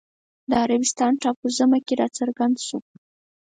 د عربستان ټاپووزمه کې راڅرګند شو